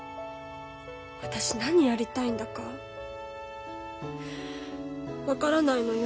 私何やりたいんだか分からないのよ。